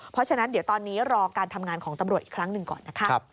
เพราะฉะนั้นเดี๋ยวตอนนี้รอการทำงานของตำรวจอีกครั้งหนึ่งก่อนนะคะ